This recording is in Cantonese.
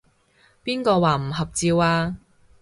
邊個話唔合照啊？